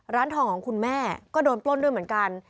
ร้านทองของคุณแม่ก็โดนปล้นด้วยเหมือนกัน